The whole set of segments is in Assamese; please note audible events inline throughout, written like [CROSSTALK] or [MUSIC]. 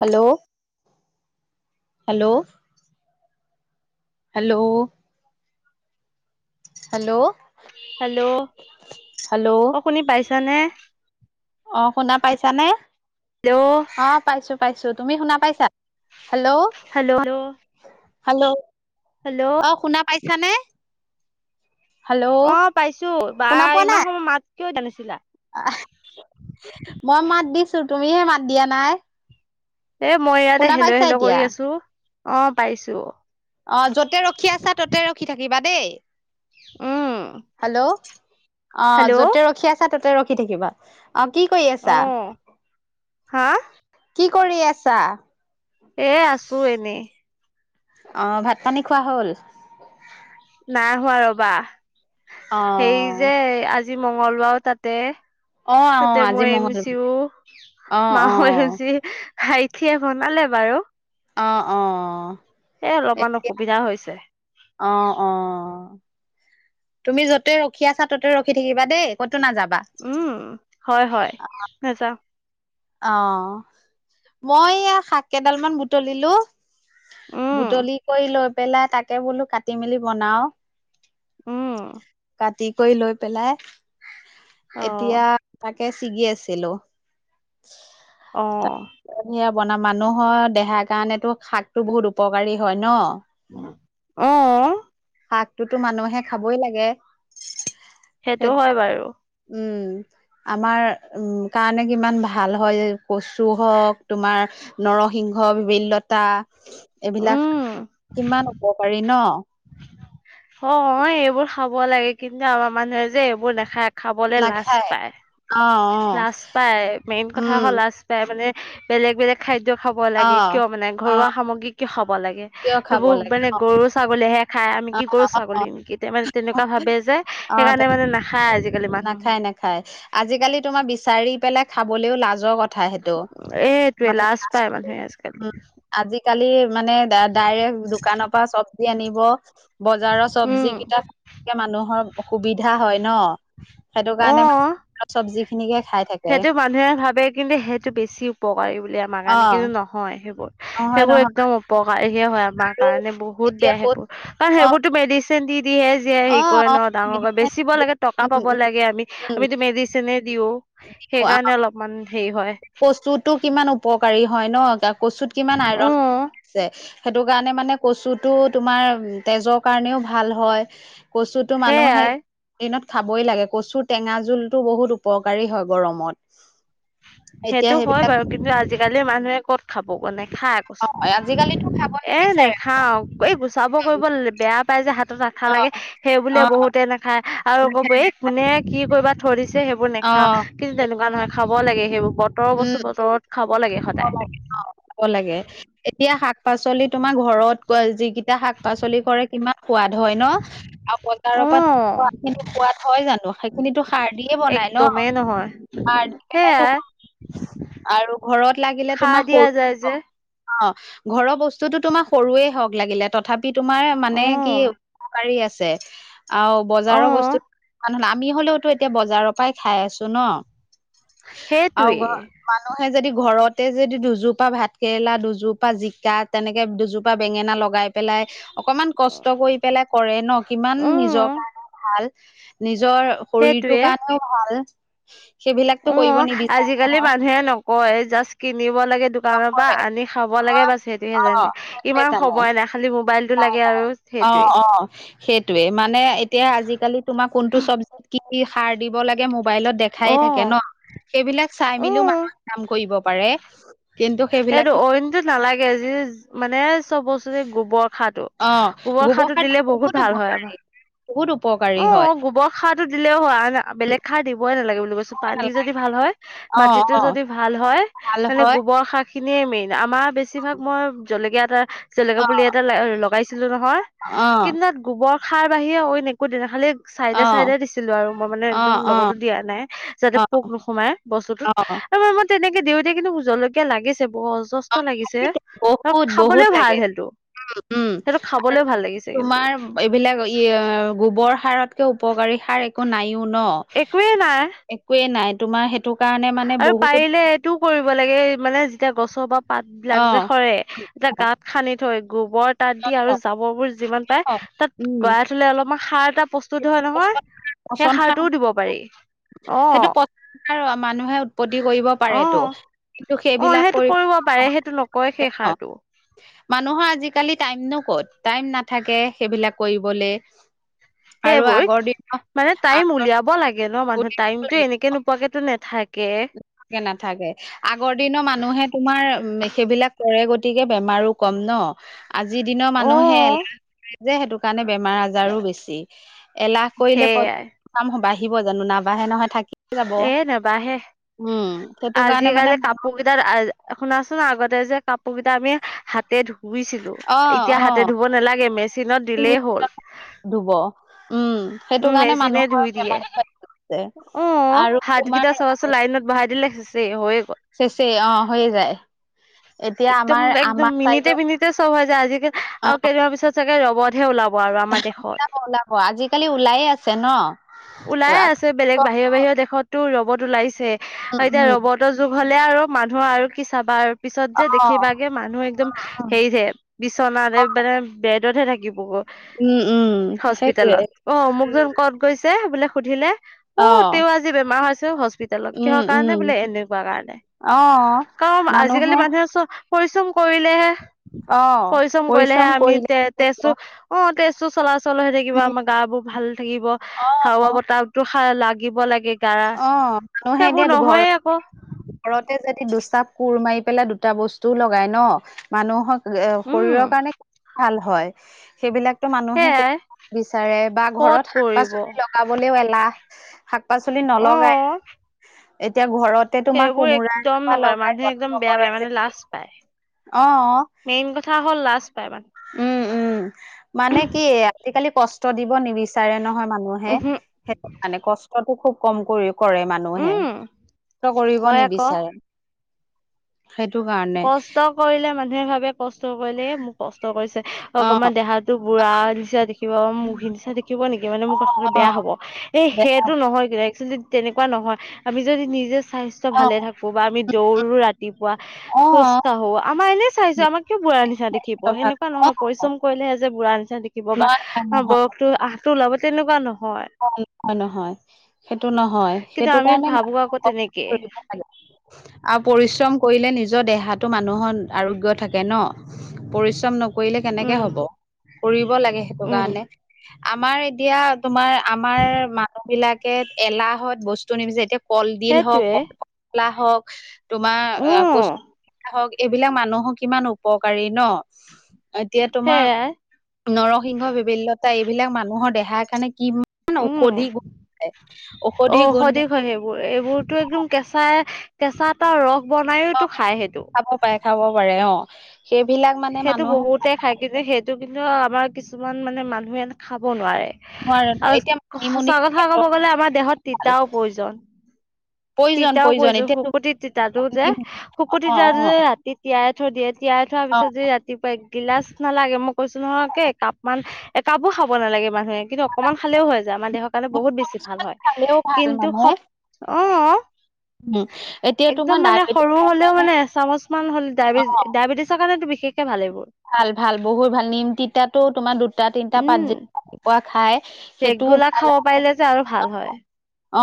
Hello hello hello hello hello অ শুনি পাইছানে অ শুনা পাইছানে হেল্ল' অ পাইছো পাইছো তুমি শুনা পাইছা hello hello hello hello hello অ শুনা পাইছানে হেল্ল' অ পাইছো বা ইমান সময় মাত কিয় দিয়া‌ নাছিলা আহ মই মাত দিছো তুমিহে মাত দিয়া নাই এ মই ইয়াতে শুনা হেলো পাইছা হেলো কৰি এতিয়া? আছো অ পাইছো অ য'তে ৰখি আছা ততে ৰখি থাকিবা দেই উম হেল্ল' অ হেল্ল' যতে ৰখি আছা ততে ৰখি থাকিবা অ কি কৰি অ আছা হা কি কৰি আছা এ আছো এনেই অ ভাত পানী খোৱা হ'ল নাই হোৱা ৰবা অ সেই যে আজি মঙ্গলবাৰো তাতে অ অ তাতে আজি মই মংগল এমিচিও অ অ মাহ এচি ভাইটিয়ে বনালে বাৰু অ অ এ অলপমান অসুবিধা হৈছে। অঁ অঁ। তুমি যতে ৰখি আছা ততে ৰখি থাকিবা দেই, ক'তো নাযাবা। উম হয় হয় নেযাওঁ। অহ মই এইয়া শাক কেইডাল মান বুটলিলো। উম বুটলি কৰি লৈ পেলাই তাকে বোলো কাটি মেলি বনাও। উম। কাটি কৰি লৈ পেলাই অ', এতিয়া তাকে ছিগি আছিলো। [INAUDIBLE] অঁহ। বনাম মানুহৰ দেহাৰ কাৰণেতো শাকটো বহুত উপকাৰী হয় ন। [UNINTELLIGIBLE] অ'। শাকটোতো মানুহে খাবই লাগে। সেইটো হয় বাৰু। উম। আমাৰ উম কাৰণে কিমান ভাল হয় কচু হওক, তোমাৰ নৰসিংহ ভিবেলি লতা এইবিলাক কিমান উপকাৰী ন? অ এইবোৰ খাব লাগে কিন্তু আমাৰ মানুহে যে এইবোৰ নেখায়। নাখায় অ অ। লাজ পায় মেইন কথা উম হ লাজ পায় মানে বেলেগ বেলেগ খাদ্য খাব অ লাগে কিয় মানে অ ঘৰুৱা সামগ্ৰী কিয় খাব লাগে। কিয় খাব এইবোৰ লাগে মানে অ গৰু ছাগলীহে খায় আমি অ কি গৰু অ ছাগলী নেকি, তে মানে তেনেকুৱা ভাবে যে। সেইকাৰণে মানে নেখায় আজিকালি মানুহে। খায়, আজিকালি তোমাৰ বিচাৰি পেলাই খাবলেও লাজ ক কথা সেইটো এইটোৱে মানে লাজ পায় মানুহে আজিকালি। [INAUDIBLE] আজিকালি মানে দা ডাইৰেক্ট দোকানৰ পৰা চবজি আনিব। বজাৰৰ উম, চব্জি কেইটাকে মানুহৰ অসুবিধা হয় ন। সেইটো কাৰণে ম অ'। [INAUDIBLE] চব্জি খিনিকে খাই থাকে সেইটো মানুহে ভাবে কিন্তু সেইটো বেছি উপকাৰী বুলি আমাৰ অ কাৰণে কিন্তু নহয় সেইবোৰ। নহয় সেইবোৰ নহয় একদম উপকাৰীহে হয় আমাৰ আৰু কাৰণে বহুত এতিয়া বেয়া ক'ত সেইবোৰ, কাৰণ অ সেইবোৰতো মেডিচিন দি দিয়ে হেৰি অ', কৰে অ', ন ডাঙৰ কৰে মেডিচিন বেচিব লাগে টকা উম, পাব উম, লাগে আমি উম। আমিতো মেডিচিনে দিও সেইকাৰণে অলপমান হেৰি হয়। কচুতো কিমান উপকাৰী হয় ন, কচুত কিমান আইৰন উম আছে। সেইটো কাৰণে মানে কচুটো তোমাৰ তেজৰ কাৰণেও ভাল হয়। কচুতো মানুহে সেইয়াই দিনত খাবই লাগে কচুৰ টেঙা জোলতো বহুত উপকাৰী হয় গৰমত। এতিয়া সেইটো হয় সেইবিলাক বাৰু কিন্তু আজিকালি মানুহে কত খাব ক নেখায় কচ অ', আজিকালিতো খাব এ নিবিচাৰে নেখাও এই গুচাব কৰিব ল বেয়া। পাই যে হাতত আঠা অ', লাগে সেই বুলিয়ে অ', বহুতে নেখায় আৰু ক'ব এই কোনে কি কৰিবা ধৰিছে সেইবোৰ নেখাওঁ অ', কিন্তু তেনেকুৱা নহয় খাব লাগে সেইবোৰ প বতৰৰ উম, বস্তু বতৰত খাব লাগে সদায়। খাব লাগে। এতিয়া শাক পাচলি তোমাৰ ঘৰত ক যিকিটা শাক পাচলি কৰে কিমান সোৱাদ হয় ন। আৰু অ বজাৰৰ পৰা খোৱা খিনি সোৱাত হয় জানো, সেইখিনিতো সাৰ দিয়ে বনাই ন। আহ সাৰ দি সেয়া। পেলাইতো আৰু ঘৰত লাগিলে সাৰ তোমাৰ দিয়া যায় যে সৰু। অ ঘৰৰ বস্তুতো তোমাৰ সৰুৱে হওক লাগিলে ত থাপি তোমাৰ অ মানে কি উপকাৰী আছে। আও অ বজাৰৰ বস্তু কি আমি হলেওতো এতিয়া বজাৰৰ পৰাই খাই আছো ন। আও সেইটোৱে গ। মানুহে যদি ঘৰতে যদি দুজোপা ভাত কেৰেলা দুজোপা জিকা তেনেকে দুযো। পা বেঙেনা লগাই পেলাই অকমান। কষ্ট কৰি পেলাই কৰে ন কিমান নিজৰ উম কাৰণে ভাল। নিজৰ শৰীৰটো সেইটোৱে কাৰণেও ভাল সেইবিলাকতো কৰিব নিবি। কালি মানুহে নকয় জাষ্ট কিনিব লাগে দোকানৰ পৰা নকৰে আনি খাব লাগে নহয়। বাছ সেইটোহে অ জানে। সেইটোৱে ইমান জানে সময় নাই খালি মোবাইলতটো নাই লাগে নাই আৰু হে। অ -অ -সেইটোয়ে মানে এতিয়া আজিকালি তোমাক কোনটো চবজিতিত কি কি সাৰ দিব লাগে মু। বাইলত দেখাই থাকে ন অ'। সেইবিলাক চাই মেলিও মানুহক কাম কৰিব পাৰে। কিন্তু সেইবিলাকে সেইটো অইনটোত নালাগে যি মানে। চব বস্তু যে গোবৰ সাৰটো অ', গোবৰ সাৰটো সাৰ দিলে বহুত ভাল হয় উপকাৰী, আমা। বহুত উপকা। অ গোবৰ সাৰ দিলেও হয় বেলেগ খাৰ দিবই নালাগে বুলি কৈছো হয় পানী নালাগে, যদি ভাল হয়। অ', মাটিতো অ', যদি ভাল হয় ভাল মানে হয়, গোবৰ সা। খিনিয়ে মেইন আমাৰ বেছিভাগ মই জলেকীয়া এটা জলেকীয়া অ', পুলি এটা লগাইছিলো নহয়। অ। তাত গোবৰ সাৰ বাহিৰে অইন একো নেদেখালেই। অ', চাইডে -চাইডে- দিছিলো আৰু মই মানে অ', একদম লগতো দিয়া নাই অ', যাতে অ', পোক নোসোমাই বস্তুতো। অ। তেনেকে দিওঁতে কিন্তু জলকীয়া লাগিছে বহজ। যষ্ট লাগিছে আৰু বহুত বহুত খাবলেও ভাল লাগে, সেটো। উম, সেইটো আৰু খাবলৈও ভাল লাগিছে কিন্তু। তোমাৰ এইবিলাক য়অ গোবৰ সাৰতকৈ উপকাৰী সাৰ একো নায়ে ন। একোৱে নাই। একোৱে নাই তোমাৰ হে। আৰু পাৰিলে এইটোও কৰিব লাগে মানে যেতিয়া গছৰ বা পাত বিলাক যে অ', সৰে। এতিয়া অ', গাঁত খান্দি থৈ। গোবৰ তাত দি আৰু অ', জাবৰ বোৰ যিমান পাই অ, তাত উম, গৰা থলে অলপমান সাৰ এটা পছ। টোত সেইটো হয় নহয় পচন সাৰ সেই পচন সাৰ সাৰটোও দিব পাৰি অ। আৰু মানুহে। উৎপত্তি কৰিব পাৰেতো অ কিন্তু অ সেইবিলাক সেইটো কৰিব পাৰে সেইটো নকয় ন। সেই সাৰটো [UNINTELLIGIBLE] মানুহৰ আজিকালি টাইমনো ক'ত টাইম নাথাকে সেইবিলাক কৰিবলে। আৰু সেইবোৰ আগৰ দিনৰ মানে টাইম আগৰ উলিয়াব লাগে ন মানুহ টাইমতটো এনেকে নো। পোৱাকেতো নে। থাকে নাথাকে আগৰ দিনৰ মানুহে তোমাৰ সেইবিলাক কৰে গতিকে বেমাৰো। কম ন আজিৰ দিনৰ অ মানুহে এলাহ যে সেইটো কাৰণে বেমাৰ আজাৰো বেছি। এলাহ কৰিলে প সেইয়াই কাম বাঢ়িব জানো নাবাঢ়ে নহয় থাক। এ নেবাহে সেইটো কাৰণে মানে আজিকালি কাপ। পোৰ কেইটাৰ শুনাচোন আগতে যে কাপোৰ কেইটা আমি হাতে ধু। ধুইছিলো অ এতিয়া অ হাতে ধুব নালাগে মেচিনত দিলেই হ'ল। ধুব, উমঁ। উমঁ' মেছিনে ধুই দিয়ে। অঁ' আৰু ভাত কেইটা তোমাৰ চাবাচোন লাইনত বহাই দিলে সেচেই হৈয়ে গ চেছেই অঁ' হৈয়ে যায়। এতিয়া একদম আমাৰ -একদম আমাৰ -মিনিটে চাইডত মিনিটে চ'ব হৈ যায় আজিকাল আৰু কেইদিনমান পিছত চাগে ৰবদহে ওলাব। আৰু আমাৰ দেশত ওলাব-ওলাব, আজিকালি ওলাই আছে ন'। ওলাইে আছে বেলেগ বাহিৰ বাহিৰৰ দেশতো ৰবত ওলাইছে উম আৰু এতিয়া উম ৰবত যুগ হ'লে আৰু মানুহ আৰু কি চাবা আৰু পিছত অ যে দেখিবাগে মানুহ একদম উম হেৰি হে- বিচনাত মানে বেডতহে থাকিব গৈ। উম উম, সেইটোৱে। অঁ' মোকযেন ক'ত গৈছে বোলে সুধিলে অ অঁ' তেওঁ আজি বেমাৰ হৈছে হস্পি টেলত উম কিহৰ উম কাৰণে বোলে এনেকুৱা কাৰণে। অ কাৰণ আজিকালি মানুহে পৰিশ্ৰম কৰিলেহে, অ পৰিশ্ৰম কৰিলেহে আমি কৰিলে তে হ'ব। তেজতো অঁ' তেজতো চলাচল হৈ থাকিব উম আমাৰ গা বোৰ ভাল থাকিব, অ হাৱা বতাহ টো লাগিব লাগে গা। অঁ, মানুহে সেইবোৰ দিয়া ঘৰ নহয়ে আকৌ ঘৰতে যদি দুচাপ কোৰ মাৰি পেলাই দুটা বস্তুও লগাই ন' মানুহক এ উম শৰীৰৰ কাৰণে খুব ভাল হয়, সেইবিলাক মানুহে সেইয়াই কৰিব নিবিচাৰে বা ক'ত ঘৰত কৰিব শাক-পাচলি অ লগাবলেও এলাহ, শাক-পাচলি নলগাই, এতিয়া ঘৰত তে তোমাক সেইবোৰ কোমোৰা একদম এজোপা নকৰে লগাই মানুহে একদম যত্ন বেয়া কৰে পায় মানে যদি, লাজ পায় অঁ। মেইন কথা হ'ল লাষ্ট পাই মানে। উমঁ উমঁ' মানে কি আজিকালি কষ্ট দিব নিবিচাৰে নহয় মানুহ মানুহে উহু সেতু কাৰণে কষ্টটো খুব কম ক কৰে মানুহে, উম কষ্ট কৰিব হয় আকৌ নিবিচাৰে। সেইটো কাৰণে। কষ্ট কৰিলে মানুহে ভাবে কষ্ট কৰিলে মোক কষ্ট কৰিছে অ অকমান দেহা টো বুঢ়া নিচিনা দেখিব, মুৰ্গী নিচিনা দেখিব ব নেকি মানে মোৰ কথাটো অ অ বেয়া হ'ব, এই বেয়া সেইটো নহয় কিন্তু তেনেকুৱা নহয়, আমি যদি নিজে স্বাস্থ্য অ ভালে থাকো বা আমি দৌৰো ৰাতিপুৱা অ খোজকাঢ়ো, আমাৰ এনেই চাইছো আমাক কিয় বুঢ়া নিচিনা দেখিব ভাল সেনেকুৱা অ নহয়, পৰিশ্ৰম কৰিলেহে যে বুঢ়া নিচিনা দে খিব বা- [UNINTELLIGIBLE] বয়সটো আহ' টো ওলাব তেনেকুৱা নহয়। নহয় নহয়, সেইটো নহয়, কিন্তু সেইটো আমি কাৰণে ভাবো মানুহে আকৌ কষ্ট তেনেকে কৰিব লাগে। আৰু পৰিশ্ৰম কৰিলে নিজৰ দেহাতো মানুহৰ আৰোগ্য থাকে ন'। পৰিশ্ৰম নকৰিলে কেনেকে উম হ'ব, কৰিব লাগে সেইটো উম কাৰণে। আমাৰ এতিয়া তোমাৰ আমাৰ মানুহ বিলাকে এলাহত বস্তু নিবিচাৰে এতিয়া কলডিল হওক, সেইটোৱে কল পচলা হওক, তোমাৰ ক উম হওক, এইবিলাক মানুহৰ কিমান উপকাৰী ন' এতিয়া তোমাৰ সেয়াই নৰসিংহ, ভেবেলি লতা এইবিলাক মানুহৰ দেহাৰ কাৰণে কিমান উম ঔষধি গুণ, ঔষধি গুণ এইবোৰতো একদম কেঁচাই, কেঁচা এটা ৰস বনাইওতো খাই সেইটো। পাই খাব পাৰে অঁ, সেইবিলাক মানে মানুহ তে থাকে যে সেইটো কিন্তু আমাৰ কিছুমান মানে মানুহে খাব নোৱাৰে। নোৱাৰে ন, আৰু এতিয়া মানিমুনি সঁচা কথা পেটৰ ক'ব গলে আমাৰ দেহত ভাল তিতাও প্ৰয়োজন প্ৰয়োজন তিতাও প্ৰয়োজন এতিয়াতো শুকতি তিতাতো যে শুকতি অ তিতা টো অ যে তি তিয়াই থৈ দিয়ে তিয়াই থোৱাৰ অ পিছত যে ৰাতিপুৱা একগিলাচ নালাগে মোক কৈছো নহয় কে একাপ মান একাপো খাব নালাগে মানুহে কিন্তু অকমান খালেও হৈ যায় আমাৰ দেহৰ কাৰণে বহুত বেছি ভাল হয় খালেও ভাল কিন্তু মানে সব অ উম এতিয়া তোমাৰ একদম মানে ডায়েবেটিছ সৰু হ'লেও মানে এচামুচ মান হ'লে অ ডাবিজ ডা ডাইবিটিজৰ কাৰণেতো বিশষকে ভাল এইবোৰ ভাল ভাল বহুত ভাল নিম তিতাতো তোমাৰ দুটা তিনটা পাত যে ৰাতিপুৱা খাই কেক সেইটোও গোলা ভাল খাব পাৰিলে যে আৰু ভাল হয়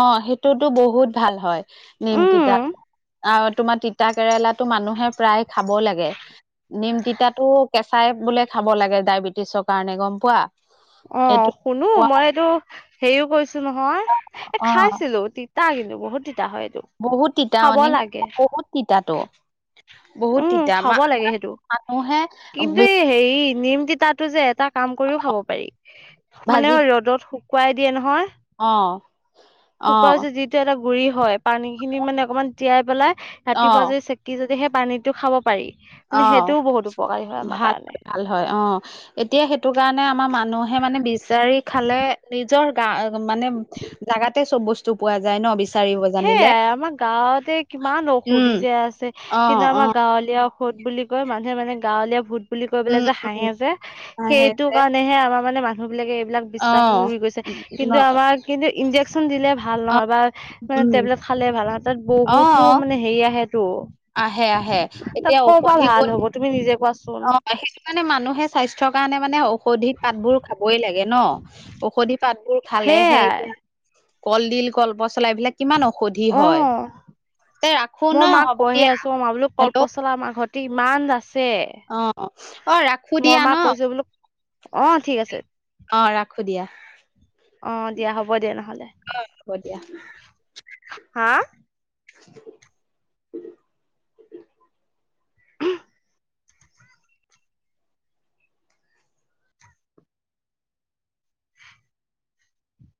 অ সেইটোতো বহুত ভাল হয় নিম উম তিতাটো আও তোমাৰ তিতা কেৰেলাতো মানুহে প্ৰায় খাব লাগে নিম তিত তিতাটো কেঁচাই বোলে খাব লাগে ডায়বেটিছৰ কাৰণে গম পোৱা অ এইটো শুনো মই এইটো হেৰিও কৰিছো নহয় এ অ খাইছিলো তিত তা কিন্তু বহুত তিতা হয় এইটো বহুত তিতা অ খাব লাগে নিমপাত বহুত তিতা ত বহুত উম খাব লাগে সেইটো মানুহে কিন্তু এই হেৰি নিম তিতাত টো যে এটা কাম কৰিও খাব পাৰি মানে ভাজি ৰ'দত শুকুৱাই দিয়ে নহয় অ অ শুকোৱাই যে যিটো এটা গুৰি হয় পানী খিনি মানে অকমান তিয়াই পেলাই অ ৰাতিপুৱা যদি চেকি যদি সেই পানীটো খাব পাৰি অ মানে সেইটোও বহুত উপকাৰী হয় আমাৰ ভাল কাৰণে ভাল হয় অ এতিয়া সেইটো কাৰণে আমাৰ মানুহে মানে বিচাৰি খালে নিজৰ গা মানে জাগাতে চব বস্তু পোৱা যায় ন বিচাৰিব জানিলে সেয়াই আমাৰ গাঁৱতে কিমান উম ঔষুধি যে আছে অ কিন্তু অ আমাৰ গাঁৱলীয়া ভূত বুলি কয় মানুহে মানে গাঁৱলীয়া ভূত বুলি কৈ উম পেলাই যে উম হাঁহে যে সেইটো সেই কাৰণেহে আমাৰ মানে মানুহ বিলাকে এইবিলাক অ', বিশ্বাসবোৰ উৰি গৈছে ন কিন্তু আমাৰ কিন্তু ইনজেকশ্যন দিলে ভাল অ', নহয় বা মানে উম, টেবলেট খালে ভাল নহয় তাত বহুতো অ', মানে হেৰি আহে টো আহে আহে এতিয়া ঔষধি গুণ হ'ব তুমি নিজে কোৱাচোন অ আহে মানে মানুহে স্বাস্থ্যৰ কাৰণে মানে ঔষধি পাতবোৰ খাবই লাগে ন ঔষধি পাতবোৰ খালেহে সেয়াই এতিয়া কলডিল কল পচলা এইবিলাক কিমান ঔষধি অ হয় তে ৰাখো ন হ'ব হে দিয়া আছো অ মই বোলো হেল্ল' কলপচলা আমাৰ ঘৰতি ইমান আছে ছে অ', অ', ৰাখো মই দিয়া ন? মাক কৈছো বোলো অ ঠিক আছে অ ৰাখো দিয়া অহ দিয়া হ'ব দিয়া নহ'লে এ হ'ব দিয়া হা [UNINTELLIGIBLE]